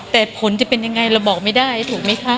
แต่ผลจะเป็นยังไงเราบอกไม่ได้ถูกไหมคะ